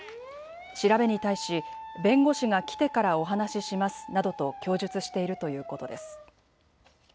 調べに対し弁護士が来てからお話ししますなどと供述しているということです。